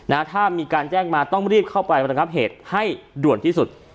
ถ้ามีการแจ้งมาต้องรีบเข้าไประงับเหตุให้ด่วนที่สุด